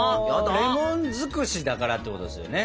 レモン尽くしだからってことですよね。